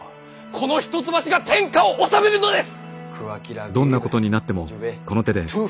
この一橋が天下を治めるのです！